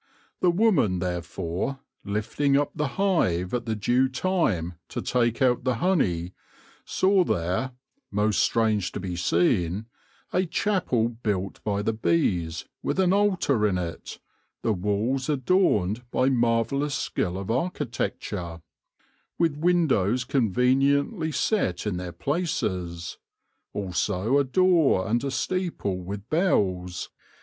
The Woman, there fore, lifting up the Hive at the due time to take out the Honie, saw there (most strange to be seene) a Chappell built by the Bees, with an altar in it, the wals adorned by marvellous skill of Architecture, with windowes conveniently set in their places : also a doore and a steeple with bells.